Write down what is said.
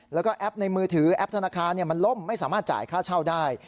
แล้วก็แอปในมือถือแอปธนาคารมันล่มไม่สามารถจ่ายค่าเช่าได้